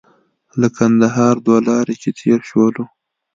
له کندهار دوه لارې چې تېر شولو.